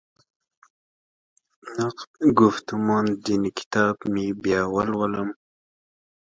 نقد ګفتمان دیني کتاب مې بیا ولولم.